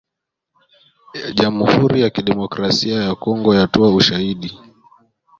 Jamhuri ya Kidemokrasia ya Kongo yatoa ‘ushahidi’